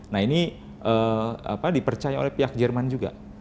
nah ini dipercaya oleh pihak jerman juga